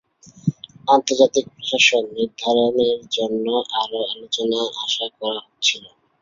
আন্তর্জাতিক প্রশাসন নির্ধারণের জন্য আরো আলোচনা আশা করা হচ্ছিল।